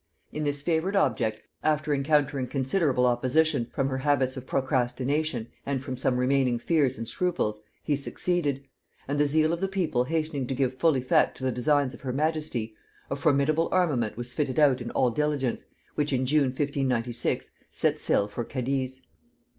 In this favorite object, after encountering considerable opposition from her habits of procrastination and from some remaining fears and scruples, he succeeded; and the zeal of the people hastening to give full effect to the designs of her majesty, a formidable armament was fitted out in all diligence, which in June 1596 set sail for Cadiz.